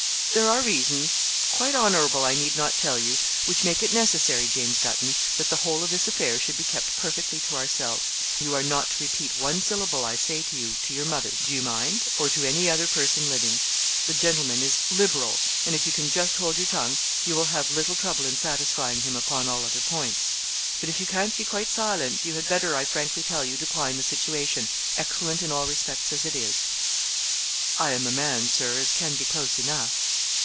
'There are reasons, quite honourable I need not tell you, which make it necessary, James Dutton, that the whole of this affair should be kept perfectly to ourselves; you are not to repeat one syllable I say to you to your mother, do you mind, or to any other person living. The gentleman is liberal, and if you can just hold your tongue, you will have little trouble in satisfying him upon all other points. But if you can't be quite silent, you had better, I frankly tell you, decline the situation, excellent in all respects as it is.' 'I'm a man, Sir, as can be close enough.'